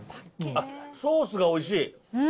あっ、ソースがおいしい。